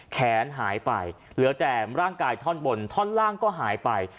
แขนหายไปเหลือแต่ร่างกายท่อนบนท่อนล่างก็หายไป